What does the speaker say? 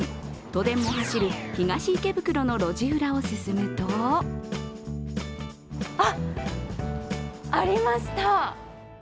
都電も走る東池袋の路地裏を進むとあっ、ありました。